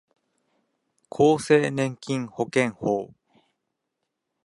厚生年金保険法